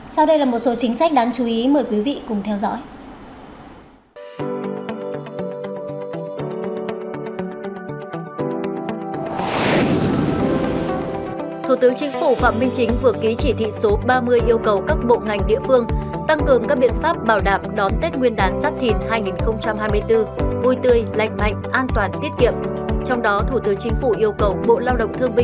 sau đây là một số chính sách đáng chú ý mời quý vị cùng theo dõi